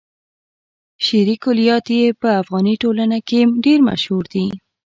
شعري کلیات يې په افغاني ټولنه کې ډېر مشهور دي.